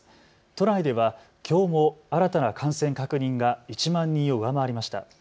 都内ではきょうも新たな感染確認が１万人を上回りました。